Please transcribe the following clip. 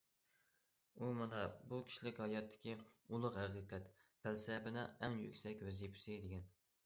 ئۇ« مانا بۇ كىشىلىك ھاياتتىكى ئۇلۇغ ھەقىقەت، پەلسەپىنىڭ ئەڭ يۈكسەك ۋەزىپىسى» دېگەن.